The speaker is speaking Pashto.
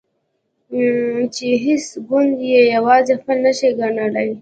چې هیڅ ګوند یې یوازې خپل نشي ګڼلای.